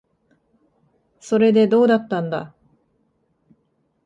それで、どうだったんだ。